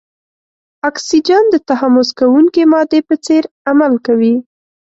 اکسیجن د تحمض کوونکې مادې په څېر عمل کوي.